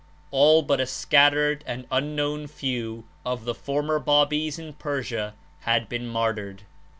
All but a scattered and unknown few of the former Babis in Persia had been martyred.